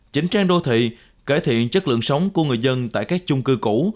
chỉnh trang đô thị cải thiện chất lượng sống của người dân tại các chung cư cũ